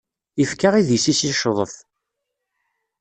Ifka idis-is i ccḍef.